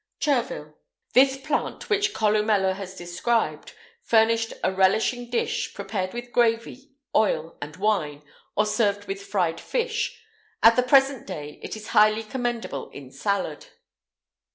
CHERVIL. This plant, which Columella has described,[IX 204] furnished a relishing dish, prepared with gravy, oil, and wine; or served with fried fish.[IX 205] At the present day it is highly commendable in salad.